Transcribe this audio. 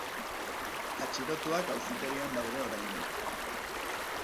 Atxilotuak auzitegian daude oraindik.